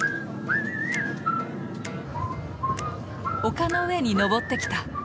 丘の上に上ってきた。